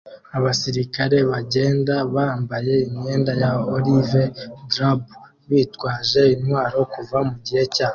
Abasirikare bagenda bambaye imyenda ya olive drab bitwaje intwaro kuva mugihe cya